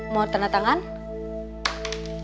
mau tanda tangan atau tidak